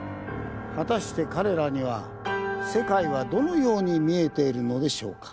果たして彼らには世界はどのように見えているのでしょうか？